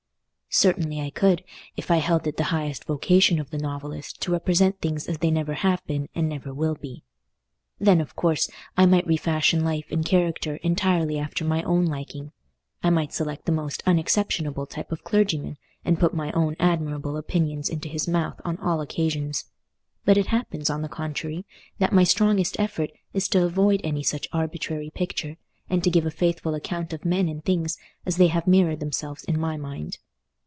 Certainly I could, if I held it the highest vocation of the novelist to represent things as they never have been and never will be. Then, of course, I might refashion life and character entirely after my own liking; I might select the most unexceptionable type of clergyman and put my own admirable opinions into his mouth on all occasions. But it happens, on the contrary, that my strongest effort is to avoid any such arbitrary picture, and to give a faithful account of men and things as they have mirrored themselves in my mind.